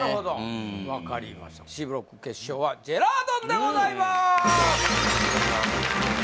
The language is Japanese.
うん分かりましたＣブロック決勝はジェラードンでございます